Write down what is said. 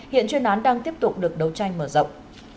hiện chuyên án đang tiếp tục được đấu tranh mở rộng